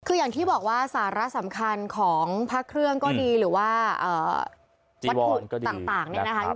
คืออย่างที่บอกว่าสาระสำคัญของพระเครื่องก็ดีหรือว่าวัตถุต่างเนี่ยนะคะ